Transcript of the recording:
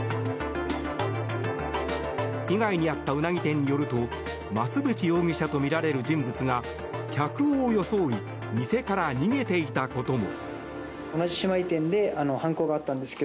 被害に遭ったウナギ店によると増渕容疑者とみられる人物が客を装い店から逃げていたことも。